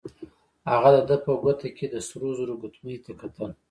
هغه د ده په ګوته کې د سرو زرو ګوتمۍ ته کتل.